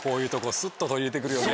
スッと取り入れて来るよね。